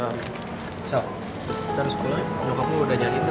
michelle cari sekolah nyokapmu udah nyariin tadi